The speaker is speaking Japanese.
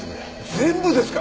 全部ですか！？